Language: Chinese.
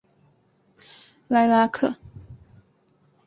莱拉克。